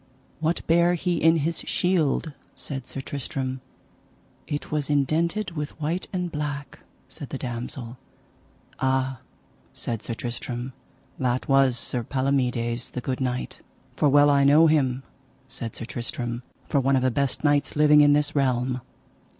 What bare he in his shield? said Sir Tristram. It was indented with white and black, said the damosel. Ah, said Sir Tristram, that was Sir Palomides, the good knight. For well I know him, said Sir Tristram, for one of the best knights living in this realm.